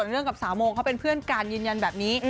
เรื่องกับสาวโมเขาเป็นเพื่อนกันยืนยันแบบนี้